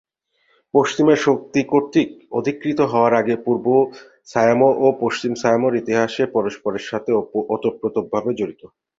পশ্চিমা শক্তি কর্তৃক অধিকৃত হওয়ার আগে পূর্ব সামোয়া ও পশ্চিম সামোয়ার ইতিহাস পরস্পরের সাথে ওতপ্রোতভাবে জড়িত ছিল।